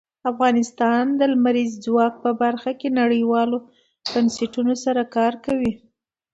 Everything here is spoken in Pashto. افغانستان د لمریز ځواک په برخه کې نړیوالو بنسټونو سره کار کوي.